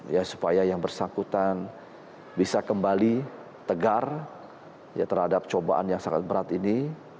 ya supaya yang bersangkutan bisa kembali tegar ya terhadap cobaan yang sangat berat ini